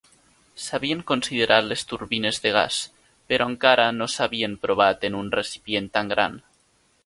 S'havien considerat les turbines de gas, però encara no s'havien provat en un recipient tan gran.